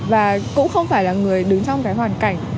và cũng không phải là người đứng trong cái hoàn cảnh